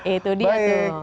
itu dia dong